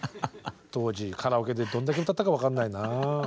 当時カラオケでどんだけ歌ったか分かんないなあ。